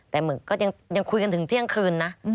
แต่ก็ยังคุยกันถึงเที่ยงคืนนะ